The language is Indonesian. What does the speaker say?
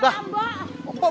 udah mpok balik dulu